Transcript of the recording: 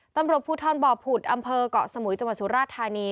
ตำรวจผู้ท่อนบ่อผุดอำเภอกเกาะสมุยสมุยสุราธานี